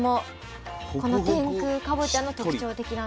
この天空かぼちゃの特徴なんです。